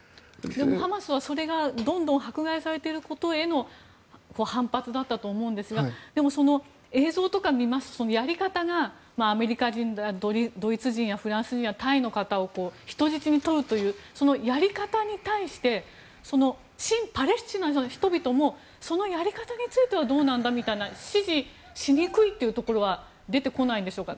ハマスはそれがどんどん迫害されていることへの反発だったと思うんですがでも映像とかを見ますとやり方がアメリカ人、ドイツ人やフランス人やタイの方を人質に取るというそのやり方に対して親パレスチナの人々もそのやり方についてはどうなんだみたいな支持しにくいところは出てこないんでしょうか。